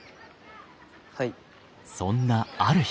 はい。